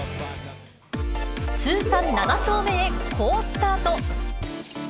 通算７勝目へ、好スタート。